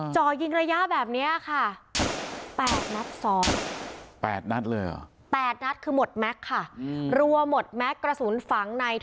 จอยิงระยะแบบนี้ค่ะ